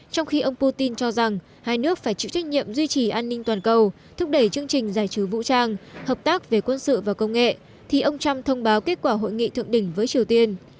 trong khi ông putin cho rằng hai nước phải chịu trách nhiệm duy trì an ninh toàn cầu thúc đẩy chương trình giải trừ vũ trang hợp tác về quân sự và công nghệ thì ông trump thông báo kết quả hội nghị thượng đỉnh với triều tiên